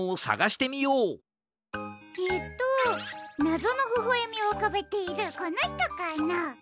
えとなぞのほほえみをうかべているこのひとかな。